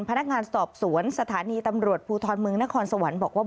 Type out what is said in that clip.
พนักงานสอบสวนสถานีตำรวจภูทรเมืองนครสวรรค์บอกว่า